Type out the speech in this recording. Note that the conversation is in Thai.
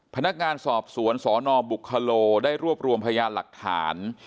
พนักงานสอบสวนสนบุคโลได้รวบรวมพยานหลักฐาน